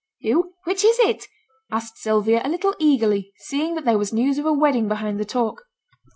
'Who? which is it?' asked Sylvia, a little eagerly, seeing that there was news of a wedding behind the talk.